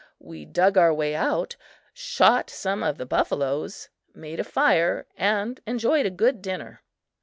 We dug our way out, shot some of the buffaloes, made a fire and enjoyed a good dinner.